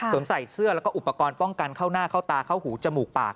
ใส่เสื้อแล้วก็อุปกรณ์ป้องกันเข้าหน้าเข้าตาเข้าหูจมูกปาก